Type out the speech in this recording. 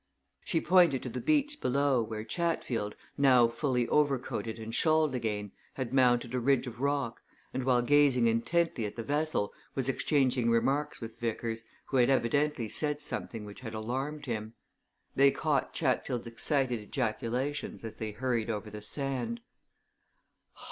She pointed to the beach below, where Chatfield, now fully overcoated and shawled again, had mounted a ridge of rock, and while gazing intently at the vessel, was exchanging remarks with Vickers, who had evidently said something which had alarmed him. They caught Chatfield's excited ejaculations as they hurried over the sand.